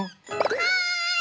はい！